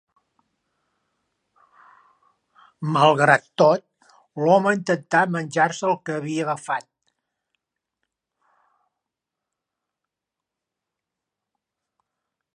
Malgrat tot, l'home intentà menjar-se el que havia agafat?